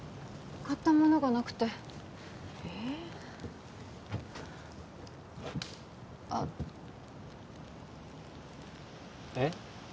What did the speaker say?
買ったものがなくてええあっえっ？